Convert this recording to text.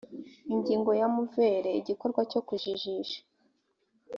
ingingo ya mvere igikorwa cyo kujijisha